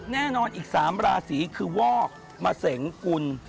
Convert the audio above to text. แน่นอนอีก๓ราศีคือวอกมะเสงกุล